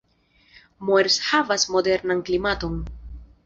Moers havas moderan klimaton.